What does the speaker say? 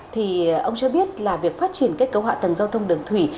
thì ông cho biết là việc phát triển kết cấu hạ tầng giao thông đường thủy